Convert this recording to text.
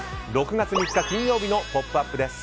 ６月３日金曜日の「ポップＵＰ！」です。